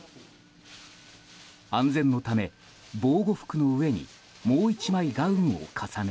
安全のため、防護服の上にもう１枚ガウンを重ね